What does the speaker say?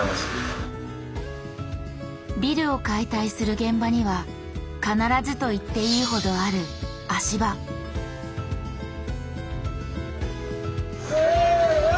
ビルを解体する現場には必ずと言っていいほどある足場せの！